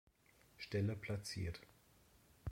Stelle platziert.